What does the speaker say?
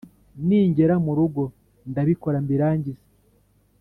Ningera mu rugo ndabikora mbirangize